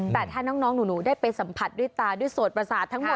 แต่ถ้าน้องหนูได้ไปสัมผัสด้วยตาด้วยโสดประสาททั้งหมด